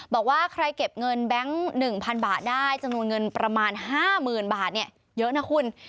บอกว่าใครเก็บเงินแบงค์๑๐๐๐บาทได้จำนวนเงินประมาณ๕๐๐๐บาทเยอะนะคุณ